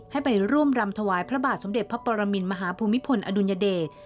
ให้ไปร่วมรำถวายพระบาทสมเด็จพระปรมินมหาภูมิพลอดุลยเดช